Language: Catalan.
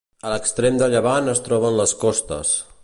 A l'extrem de llevant es troben les Costes.